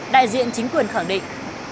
đại diện chính quyền khẳng định